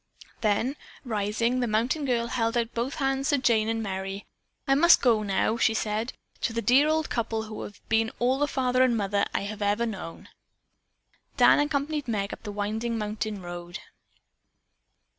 Then, rising, the mountain girl held out both hands to Jane and Merry. "I must go now," she said, "to the dear old couple who have been all the father and mother I have ever known." Dan accompanied Meg up the winding mountain road.